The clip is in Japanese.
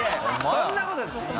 そんなことない。